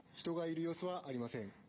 人がいる様子はありません。